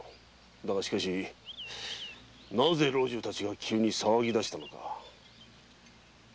だがしかしなぜ老中たちは急に騒ぎだしたのだ？